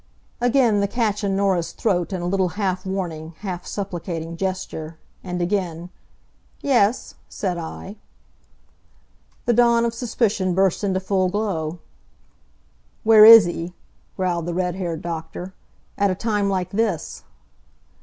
Again the catch in Norah's throat and a little half warning, half supplicating gesture. And again, "Yes," said I. The dawn of suspicion burst into full glow. "Where is he?" growled the red haired doctor. "At a time like this?"